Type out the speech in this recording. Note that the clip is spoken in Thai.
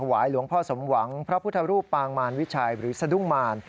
วายหลวงพ่อสมหวังพระพุทธรูปปางมารวิชัยหรือสะดุ้งมาร